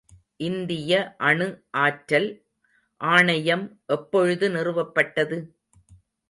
இந்திய அணு ஆற்றல் ஆணையம் எப்பொழுது நிறுவப் பட்டது?